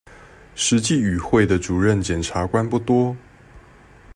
實際與會的主任檢察官不多